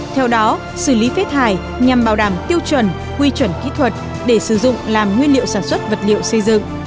theo đó xử lý phế thải nhằm bảo đảm tiêu chuẩn quy chuẩn kỹ thuật để sử dụng làm nguyên liệu sản xuất vật liệu xây dựng